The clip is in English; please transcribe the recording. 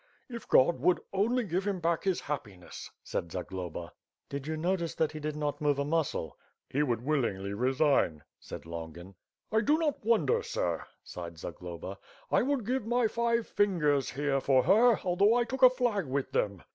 "If God would only give him back his happiness," said Zagloba. "Did you notice that he did not move a muscle?" "He would willingly resign," said Longin. "I do not wonder, sir," sighed Zagloba. "I would give my five fingers here for her, although I took a flag with them."